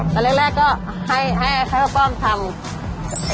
แต่เร็กก็ให้ผมทำ